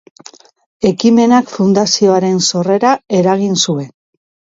Ekimenak Fundazioaren sorrera eragin zuen.